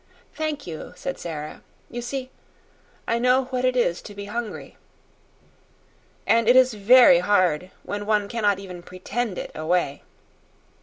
"Thank you," said Sara. "You see, I know what it is to be hungry, and it is very hard when one cannot even PRETEND it away."